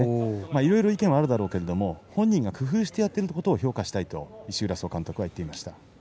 いろいろ意見があるだろうけれども、本人が工夫してやっていることを評価したいと石浦総監督は言っていました。